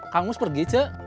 kang mus pergi ce